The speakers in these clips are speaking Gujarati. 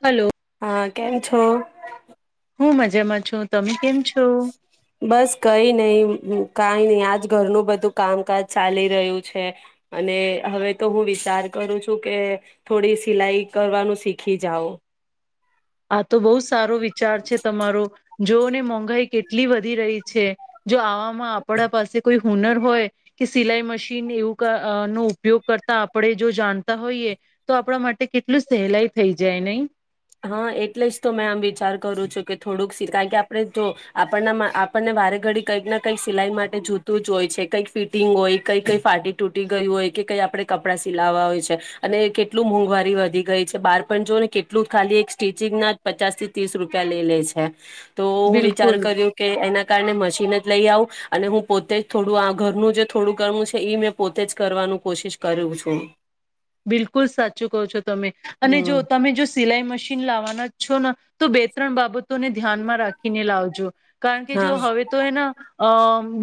હલો. હા કેમ છો? હું મજામાં છું તમે કેમ છો બસ કઈ નહી. કઈ નહી આજ ઘરનું બધું કામકાજ ચાલી રહ્યું છે અને હવે તો હું વિચાર કરું છું કે થોડી સિલાઈ કરવાનું શીખી જાવ. અચા [unintelligible] તો બહુ સારો વિચાર છે તમારો. જોઓને મોંઘાાઈ કેટલી વધી રહી છે. જો આવામાં આપડા પાસે કોઈ હુનર હોય કે સિલાઈ મશીન એવું નો ઉપયોગ કરતા આપણે જો જાણતા હોઈએ તો આપણા માટે કેટલું સહેલાઈ થઈ જાય નહી. હા એટલે જ તો મેં આમ વિચાર કરું છું કે થોડુંક સ કારણ કે આપણે જો આપણના આપણને વારે ઘડી કંઈક ના કંઈક સિલાઈ માટે જૂતું જ હોય છે કઈક ફિટિંગ હોય કંઈ કઈ ફાટી તૂટી ગયું હોય કે કંઈ આપણે કપડાં સિલાવવા હોય છે અને કેટલું મોંઘવારી વધી ગઈ છે બહાર પણ જો ને કેટલું ખાલી એક સ્ટિચિંગ ના પચાસ થી ત્રીસ રૂપિયા લઈ લે છે. તો હું વિચાર બિલકુલ કર્યું કે એના કારણે મશીન જ લઈ આવું અને હું પોતે જ થોડું આ ઘરનું જે થોડું કરવું છે મેં પોતે જ કરવાનું કોશિશ કર્યું છું. બિલકુલ સાચું કહો છો તમે અને હમ જો તમે જો સિલાઈ મશીન [unintelligible] લાવવાના જ છો ને તો બે ત્રણ બાબતોને ધ્યાનમાં રાખીને લાવજો. કારણ કે હા જો હવે તો એના. અ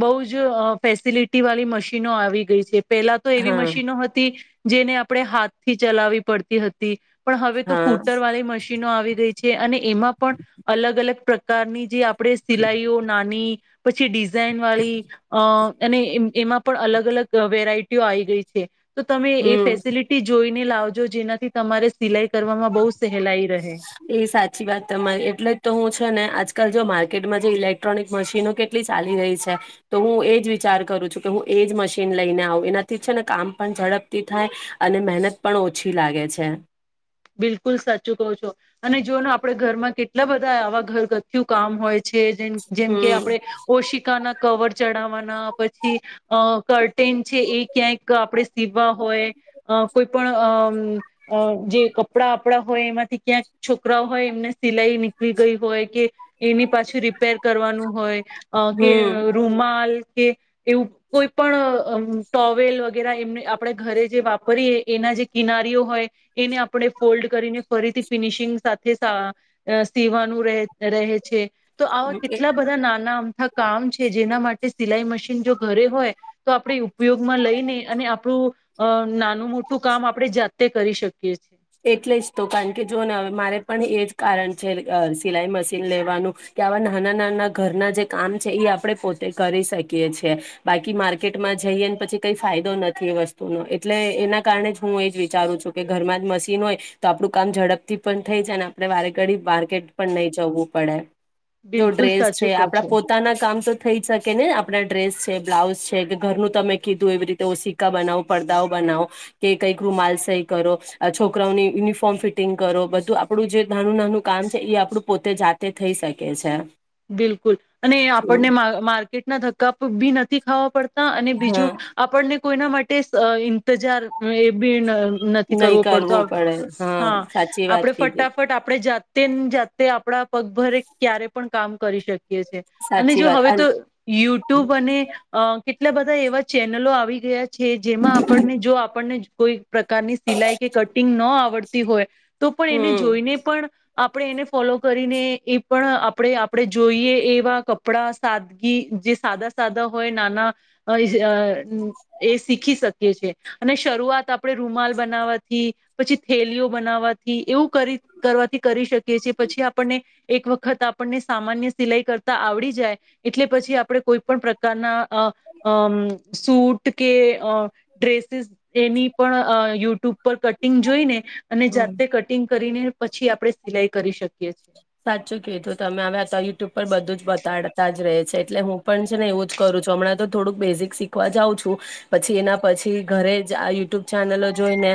બઉ જ ફેસિલિટી વાલી મશીનો આવી ગઈ છે. પેલા તો એવી હા મશીનો હતી. જેને આપ. આપડે હાથથી ચલાવી પડતી હતી. પણ હવે તો હા ફૂટર વાળી મશીનો આવી ગઈ છે. છે અને એમાં પણ અલગ અલગ પ્રકારની જે આપ આપડે સિલાઈઓ નાની. પછી ડીઝ. ઝેન વાલી અ.... અને એમ એમાં પણ અલગ અલગ અ વેરાઈટીઓ આઈ ગઈ છે. તો તમે એ હમ ફેસ એ જોઈને લાવજો જેનાથી તમારે સિલાઈ કરવામાં બહુ સહેલાઈ રહે. એ સાચી વાત તમા એટલે જ તો હું છે ને આજ આજકાલ જો માર્કેટમાં જે ઇલેક્ટ્રોનિક મશીનો કેટલી ચાલી રઈ છે તો ઉ એજ વિચાર કરું છું કે હું એજ મશીન લઈને આવું એનાથી છે ને કામ પણ ઝડપથી થાય અને મહેનત પણ ઓછી લાગે છે. બિલકુલ સાચું કહો છો અને જોઓને આપડે ઘરમાં કેટલા બધા આવા ઘરગથ્થું કામ હોય. છે જેમ જેમકે હમ આપણે ઓશિકાના. કવર ચડાવવાના પછી અ કટેન છે એ ક્યાંક આપણે. સીવા હોય અ કોય પણ અમ અ જે કપડા આપડા હોય એમાંથી ક્યાંક છોકરાઓ હોય એમને. સિલાઈ નીકળી ગઈ હોય કે એની પાછું રિપેર કરવાનું હોય કે હમ રૂમાલ. કે એવું કોઈ પણ અ અમ ટોવેલ વગેરા એમને આપણે ઘરે જે વાપરીએ એનાજે કિનારીઓ હોય એને આપ આપણે ફોલ્ડ કરીને ફરીથી ફિનિશિંગ સાથે સા.. અ.. સીવાનું રે રહે છે. તો આવા એ કેટલા બધા નાના અમથા કામ છે જેના માટે. તે સિલાઈ મશીન જો ઘરે હોય તો આપડે ઉપયોગમાં લઈને અને આપુ અ નાન નુ મોટું કામ આપડે જાતે. કરી શકીએ છીએ. એટલે જ તો કાણ કે જોવને મારે પણ એ જ કારણ છે અ સિલાઈ મશીન લેવાનું કે આવા નાના નાના ઘરના જે કામ છે એ આપણે પોતે કરી શકીએ છીએ બાકી માર્કેટમાં જઈએને પછી કઈ ફાયદો નથી એ વસ્તુનો એટલે એના કારણે જ હું એ જ વિચારું છું કે ઘરમાં જ મશી ટીન હોય તો આપડું કામ ઝડપથી પણ થઈ જાને આપડે વારે ઘડી માર્કેટ પણ નઈ જવું પડે. જો બિલકુલ ડ્રેસ છે સાચું કહો આપડા છો પોતાના કામ તો. થઈજ શકે ને આપણા ડ્રેસ છે બ્લાઉસ છે કે ઘરનું તમે કીધું એવી રીતે ઓસિકા બનાવો પરદાઓ બનાવો કે કંઈક રૂમાલ સઈ કરો અ છો. છોકરાઓની ઈનિફોર્મ ફિટિંગ કરો બધું આપડુ જે નાનું નાનું કામ છે એઈ આપડું પોતે જાતે થઈ શકે છે. બિલકુલ અને હમ આપણને મા અ માર્કેટના ધક્કા પ ભી નથી ખાવા. અ અને હા બીજું આપણને. કોઈના માટે ઇંતજાર એ બી નથી નહી કરવો પડતો કરવું પડે હા સાચી વાત આપડે કીધી ફટાફટ આપણેે જાતે ન જાતે તે આપણા પગભરે ક્યારે પણ કામ કરી શકે. અને સાચી જો વાત હવે અન તો યુટ્યુબ અને અ. કેટલા બધા એવા ચેનલો આવી ગયા છે છે જેમાં આપણને જો આપણને કોઈ પ્રકારની સિલાઈ કે કટિંગ ન આવડતી હોય તો પણ એને હમ જોઈને પણ આપણે એને ફોલો કરીને એ પણ આપ આપણે આપણે જોઈએ એવા કપડાં સાદગી જે સાદા સાદા હોય નાના એ શીખી શકીએ છીએ અને શરૂઆત આપણે રૂમાલ બનાવવાથી પછી થેલીઓ બનાવવાથી એવું કરવાથી કરી શકીએ છીએ પછી આપણને એક વખત આપ આપણને સામાન્ય સિલાઈ કરતા આવડી જાય એટલે પછી આપણે કોઈ પણ પ્રકારના સૂટ કે ડ્રેસીસ એની પણ યુટ્યુબ પર કટિંગ જોઈને અને હમ જાતે કટિંગ કરીને પછી આપડણે સિલાઈ કરી શકીએ છીએ. સાચ કે તો તમે હવે આ તો યુટ્યુબ પણ બધું જ બતાડતા જ રહે છે એટલે હું પણ છે ને એવું જ કરું છું હમણાં તો થોડુંક બેઝિક શીખવા જાઉં છું પછી એના પછી ઘરે જ આ યુટ્યુબ ચેનલો જોઈને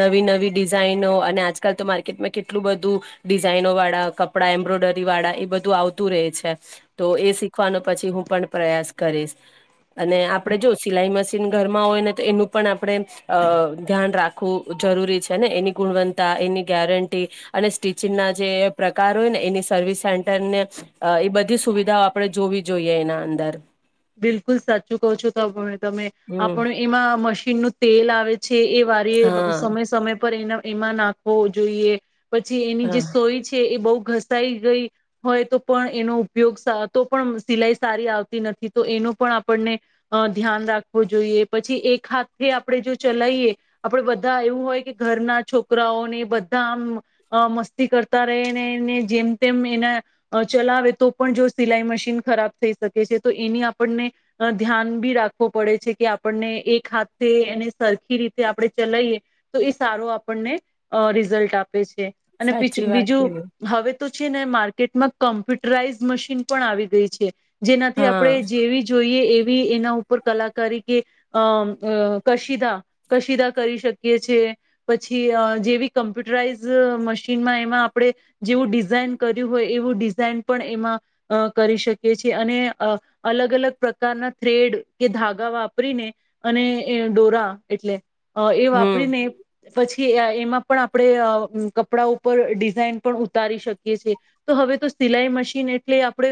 નવી નવી ડિઝાઇનો અને આજકાલ તો માર્કેટમાં કેટલું બધું ડિઝાઇનો વાળા કપડા એમ્બ્રોઇડરી વાળા એ બધું આવતું રહે છે તો એ શીખવાનો પછી હું પણ પ્રયાસ કરીશ. અને, આપડે જો સિલાઈ મસી ન ઘરમાં હોય ને, તો એનું પણ આપણે ધ્યાન રાખવું જરૂરી છે ને, એની ગુણવત્તા એની ગેરંટી અને સ્ટિચિંગના જે પ્રકાર હોય ને એની સર્વિસ સેન્ટર ને, એ બધી સુવિધાઓ આપણે જોવી જોઈએ, એના અંદર. બિલકુલ સાચું કહો છો તો [unintelligible] તમે. હમ આપણ એમાં મશી નનું તેલ આવે છે, એ વારીએ હા સમય સમય પર એ એમાં નાખવો જોઈએ. પછી એની જે હા સોય છે, એ બહુ ઘસાઈ ગઈ હોય, તો પણ એનો ઉપયોગ સા, તો પણ સિલાઈ સારી આવતી નથી. તો એનું પણ આપણને ધ્યાન રાખવું જોઈએ. પછી એક હાથે આપણે જો ચલાઈએ, આપણેે બધા એવું હોય કે ઘરના છોકરાઓને બધા આમ મસ્તી કરતા રહે ને એને જેમ તેમ એના ચલાવે, તો પણ જો સિલાઈ મશીન ખરાબ થઈ શકે છે. તો એની આ આપણને ધ્યાન બી રાખવું પડે છે, કે આપણને એક હાથ એને સરખી રીતે આપણે ચલાઈએ, તો એ સારો આપણને રિઝલ્ટ આપે. આપે છે. અને સાચી વાત બીજું કીધી હવે તો છે ને માર્કેટમાં કોમ્પ્યુટરાઈઝ મશીન પણ આવી ગઈ છે. જેનાથી હા આપડે જેવી જોઈએ એવી એના ઉપર કલાકારી કે અ કશીદા કશીદા કરી શકીએ છે. પછી જેવી કમ્પ્યુટરાઈઝ મશીનમાં એમાં આપણે જેવું ડિઝાઇન કર્યું હોય એવું ડિ ઝાઈન પણ એમાં અ કરી શકીએ છીએ, અને અ અલગ અલગ પ્રકારના થ્રેડ કે ધાગા વાપરીને અને ડોરા એટલે અ એ હમ વાપરીને પછી એમાં પણ આપણે કપડા ઉપર ડિઝાઇન પણ ઉતારી શકીએ છે તો હવે તો સિલાઈ મશીન એટલે આપણે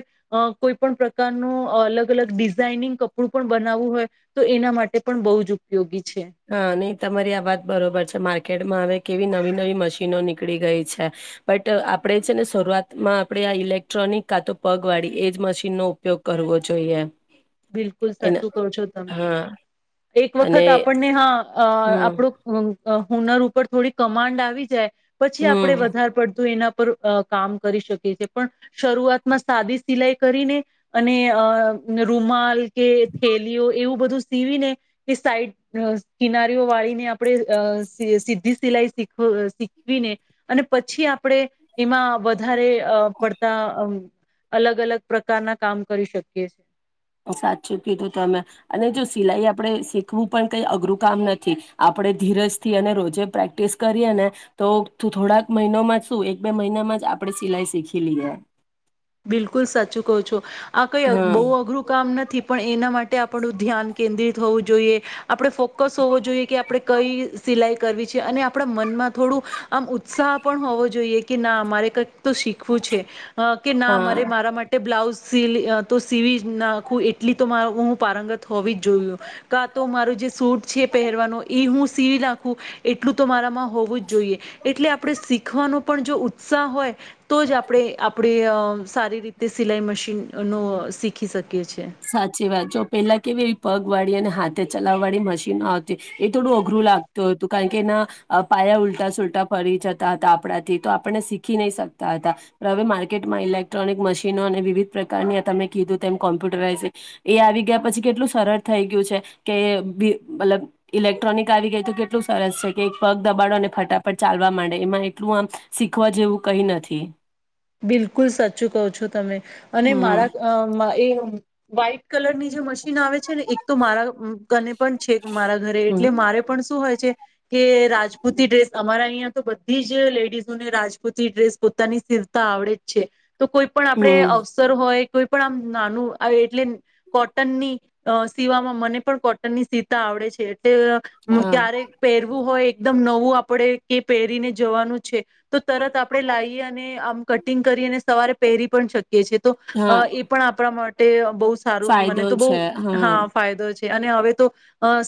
કોઈ પણ પ્રકારનો અલગ અલગ ડિઝાઇનિંગ કપડું પણ બનાવવું હોય તો એના માટે પણ બહુ જ ઉપયોગી છે. હા નહી તમારી આ વાત બરોબર છે માર્કેટમાં હવે કેવી નવી નવી મશીનો નીકળી ગઈ છે બટ આપડે છે ને શરૂઆતમાં આપણે આ ઇલેક્ટ્રોનિક કા તો પગ વાળી એજ મશીનનો ઉપયોગ કરવો જોઈએ. બિલકુલ એના સાચું કહો છો તમે હા એક વખત અને આપણ ને હા અ હમ આપણું અ હુનર ઉપર થોડી કમાન્ડ આવી જાય પછી હમ આપડે વધારે પડતું એના કામ કરી શકી છે પણ શરૂઆતમાં સાદી સિલાઈ કરીને અને અ નરૂ રૂમાલ કે થેલીઓ એવું બધું સીવીને એ સાઈડ કિનારીઓ વાળીને આપણે સીધી સિલાઈ સીખ શીખવીને અને પછી આપણે એમાં વધારે અ પડતા અ અલગ અલગ પ્રકારના કામ કરી શકીએ. સાચચું કય્યું હતું તમે અને જો સિલાઈ આપણે શીખવું પણ કઈ અઘરું કામ નથી આપણે ધીરજથી અને રોજે પ્રેક્ટિસ કરીએ ને તો થોડાક મહિનોમાં શું એક બે મહિનામાં જ આપણે સિલાઈ શીખી લઈએ. બિલકુલ સાચું કહો છો. આ કઈ હા બહુ અઘરું કામ નથી પણ એના માટે તે આપણું ધ્યાન કેન્દ્રિત હોવું જોઈએ. આપણે ફોકસ હોવો જોઈએ કે આપણે કઈ સિલાઈ કરવી છે અને આપણા મનમાં થોડું આમ ઉત્સાહ પણ હોવો જોઈએ કે ના મારે કંઈક તો શીખવું છે. ના હા મારે મારા માટે બ્લા લાઉઝ તો સીલ અ સીવી જ નાખું એટલી તો મારાં હું પારંગત હોવી જ જોયું કા તો મારું જે સૂટ છે પહેરવાનો ઈ હું સીવી નાખું એટલું તો મારામાં હોવું જ જોઈએ એટલે આપણે શીખવાનું પણ જો ઉત્સાહ હોય તો જ આપણે આપ આપણે સારી રીતે સિલાઈ મશીનનું શીખી શકીએ. છીએ સાચી વાત જો પેલા કેવી પગ વાળી અને હાથે ચલાવ વાળી મશીનો આવતી એ થોડું અઘરું લાગતું હતું કારણ કે એના પાયા ઉલટા સુલટા ફરી જતા હતા આપણાથી તો આપણને શીખી નહી શકતા હતા પણ હવે માર્કેટમાં ઇલેક્ટ્રોનિક મશીનો અને વિવિધ પ્રકારની તમે કીધું તેમ કોમ્પ્યુ એ આવી ગયા પછી કેટલું સરળ થઈ ગયું છે કે મતલબ ઇલેક્ટ્રોનિક આવી ગઈ તો કેટલું સરસ છે કે એક પગ દબાડોને ફટાફટ ચાલવા માંડે એમાં એટલું આમ શીખવા જેવું કઈ નથી. બિલકુલ સાચું કહો છો તમે અને હમ મારા એ વ્હાઈટ કલર ની જે મશ ન આવે છે ને એક તો મારા કને પણ છે મારા ઘરે હમ એટલે મારે પણ શું હોય છે કે રાજપૂતિ ડ્રેસ અમારા અહિયા તો બધી જ લેડીઝોને રાજપૂતી ડ્રેસ પોતાની સ તો આવડે જ છે. તો કોઈ પણ આપડે હમ અવસર હોય કોઈ પણ આમ નાનું એટલે કોટનની સીવામાં મને પણ કોટનની સીતા આવડે છે એટલે હા ક્યારેક પહેરવું હોય એકદમ નવું આપડે કે પહેરીને જવાનું છે તો તરત આપણે લાયએ અને આમ કટિંગ કરી અને સવારે પહેરી પણ શક છે તો હા એ પણ આપણા માટે તે બહ સારું ફાયદો મને તો બઉ છે હા ફાયદો છે. અને હવે તો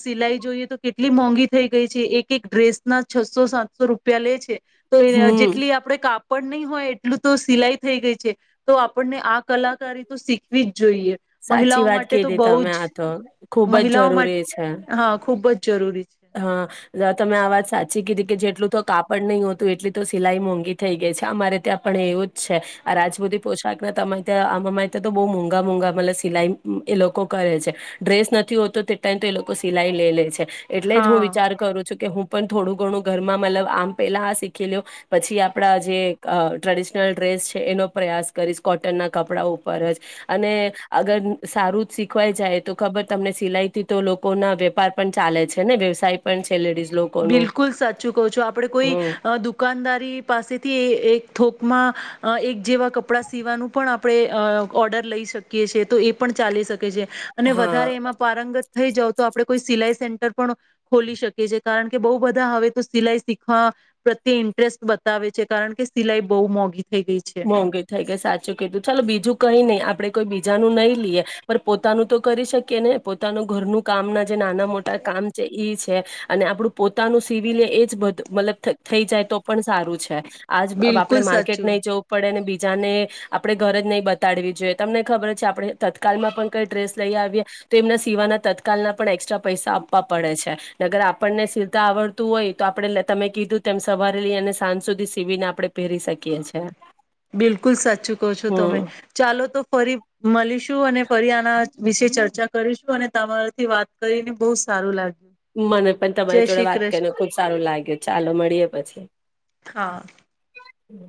સિલાઈ જોઈએ તો કેટલી મોંઘી થઈ ગઈ છે એક એક ડ્રેસ ના છસો સાતસો રૂપિયા લે છે. તો હમ જેટલી આપણેે કાપ પડ નહીં હોય એ એટલું તો સિલાઈ થઈ ગઈ છે તો આપણને આ કલાકારી તો શીખવી જ જોઈએ સાચી મહિલાઓ વાત માટે તો કીધી બહ તમે જ આ તો ખુબ જ મહિલાઓ જરૂરી છે માટે હા ખુબ જ જરૂરી છે હા તમે આ વાત સાચી કીઘી. કે જેટલું તો કાપડ નહીં હોતું એટલી તો સિલાઈ મોંઘી થઈ ગઈ છે અમારે ત્યાં પણ એવું જ છે આ રાજપૂતિ પોશાક ના ત્યાં અરે ત્યાં તો બહુ મોંઘા મોંઘા મત સિલાઈ એ લોકો કરે છે ડ્રેસ નથી હોતો તે ટ તો એ લોકો સિલાઈ લઈ લે છે. એટલે જ હું હા વિચાર કરું છું કે હું પણ થોડું ઘણું ઘરમાં મતલબ આમ પેલા આ શીખી લ્યો પછી આપણા જે ટ્રેડિશનલ ડ્રેસ છે એનો પ્રયાસ કરીશ કોટનના કપડા ઉપર જ અને અગર સારું જ સીખવાઈ જાય તો ખબર તમને સિલાઈથી તો લોકો ના વેપાર પણ ચાલે છે. ને વ્યવસાય પણ છે. લેડીઝ લોકોનું બિલકુલ સાચું કવ છું આપણે કોઈ હમ દુકાનદારી પાસેથી એક થકમાં એક જેવા કપડાં સીવાનું પણ આપણે ઓર્ડર લઈ શકીએ છેએ તો એ પણ ચાલી શકે. અને હા વધારે એમાં પારંગત થઈ જાવ તો આપ કોઈ સિલાઈ પણ ખોલી શકે છે. કારણ કે બહુ બધા હવે તો સિલાઈ શીખવા પ્રત્યે ઇન્ટરેસ્ટ બતાવે છે કારણ કે સિલાઈ બહુ મોંઘી થઈ ગઈ છે મોંઘી થઈ ગઈ સાચું કીધું ચાલો બીજું કઈ નહી આપડે કોઈ બીજા નું નહી લઈએ પણ પોતાનું તો કરી શકીએ ને પોતાનું ઘરનું કામના જે નાના મોટા કામ છે છે અને આપડું પોતાનું સીવી લઈએ એ જ બધ મતલબ થઈ જાય તો પણ સારું છે. આજ આપડે બિલકુલ માર્કેટ સાચું નહી જ આપ બીજાને આપડણે ઘર જ નહી બતાડવી જોઈએ તમને ખબર છે આપણે તત્કાલમાં પણ કઈ ડ્રેસ લઈ આવીએ તો એમના સીવાના તત્કાલના પણ એક્સ્ટ્રા પૈસા આપવા પડે છે અગર આપણને સીતા આવડતું હોય તો આપણે તમે કીધું તેમ સવારે લઈ અને સાંજ સુધી સીવીને આપડણે પહેરી શકીએ છે. બિલકુલ સાચું કહો છો તમે ચાલો તો ફરી મળીશું અને ફરી આના વિશે ચર્ચા ચા કરીશું અને તમારાથી વાત કરીને બહુ સારું લાગ મને પણ તમારી જોડે વાત કરીને ખુબ સારું લાગે ચાલો મળીએ પછી. હા હમ.